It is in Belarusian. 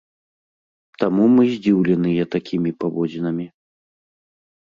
Таму мы здзіўленыя такімі паводзінамі.